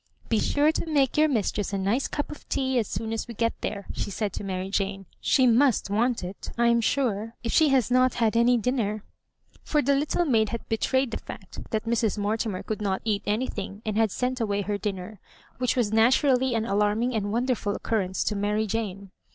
"Be sure you make your mistress a nice cup of tea as soon as we get there," she said to Mary Jana '* She must want it, I am sure, if she has not had any dinner; " for the little maid had betrayed the fact that Mrs. Mortimer could not eat anything, and had sent away her dinner, which was natu rally an alarming and wonderful occurrence to Mary Jane.